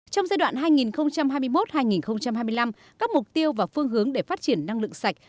trong giai đoạn hai nghìn hai mươi một hai nghìn hai mươi năm các mục tiêu và phương hướng để phát triển năng lượng sạch